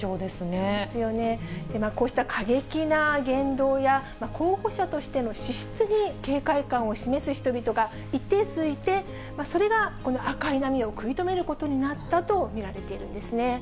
こうした過激な言動や、候補者としての資質に警戒感を示す人々が一定数いて、それがこの赤い波を食い止めることになったと見られているんですね。